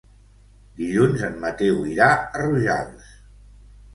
Dilluns en Mateu irà a Rojals.